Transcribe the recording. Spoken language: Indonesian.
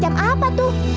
ayah pacem apa tuh